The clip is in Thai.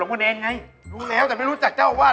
รู้แล้วแต่ไม่รู้จักเจ้าว่า